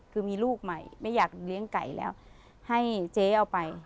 คือมีลูกใหม่ไม่อยากเลี้ยงไก่แล้วให้เจ๊เอาไป